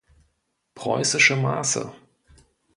Preußische Maße